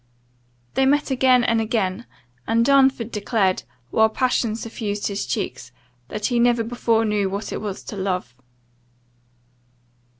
They met again and again; and Darnford declared, while passion suffused his cheeks, that he never before knew what it was to love.